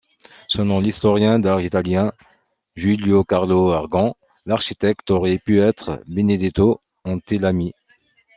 Selon l'historien d'art italien Giulio Carlo Argan, l'architecte aurait pu être Benedetto Antelami.